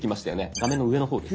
画面の上の方です。